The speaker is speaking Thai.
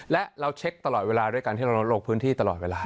และเราเช็คตลอดเวลาด้วยการที่เราลงพื้นที่ตลอดเวลา